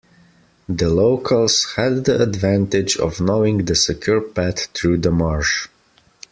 The locals had the advantage of knowing the secure path through the marsh.